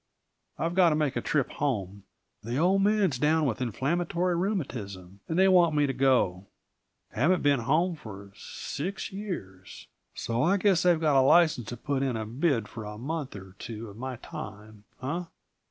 I've got to make a trip home; the old man's down with inflammatory rheumatism, and they want me to go haven't been home for six years, so I guess they've got a license to put in a bid for a month or two of my time, huh?